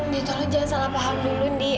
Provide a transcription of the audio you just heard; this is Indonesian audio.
ndi tolong jangan salah paham dulu ndi